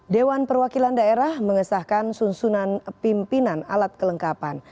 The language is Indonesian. dewan perwakilan daerah mengesahkan susunan pimpinan alat kelengkapan